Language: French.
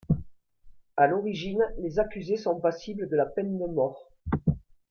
À l'origine, les accusés sont passibles de la peine de mort.